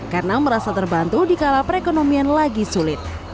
karena merasa terbantu dikala perekonomian lagi sulit